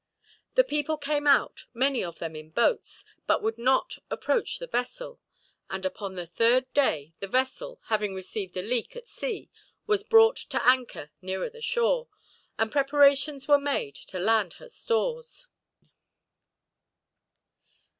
The people came out, many of them in boats, but would not approach the vessel; and upon the third day the vessel, having received a leak at sea, was brought to anchor nearer the shore, and preparations were made to land her stores.